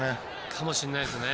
かもしれないですね。